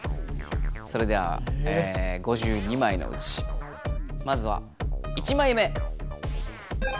それでは５２枚のうちまずは１枚目。